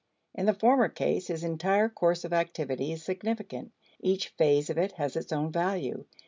In the former case, his entire course of activity is significant; each phase of it has its own value.